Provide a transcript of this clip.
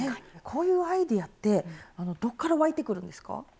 こういうアイデアってどっから湧いてくるんですか？